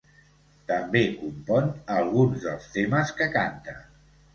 També compon alguns dels temes que canta.